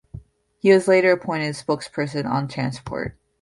He was later appointed spokesperson on Transport.